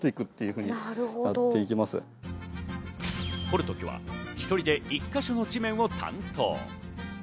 掘る時は１人で１か所の地面を担当。